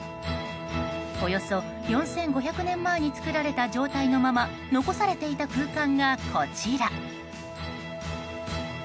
およそ４５００年前に作られた状態のまま残されていた空間が、こちら。